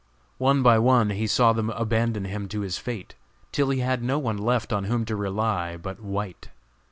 One by one he saw them abandon him to his fate, till he had no one left on whom to rely, but White.